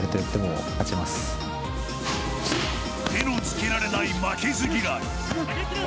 手の付けられない負けず嫌い。